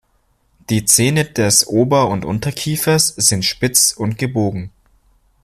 Die Zähne des Ober- und Unterkiefers sind spitz und gebogen.